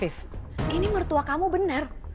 afif ini mertua kamu bener